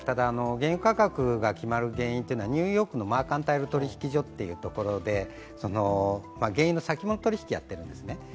原油価格が決まる原因というのはニューヨークのマーカンタイル取引所というところで原油の先物取引をやっているんですね。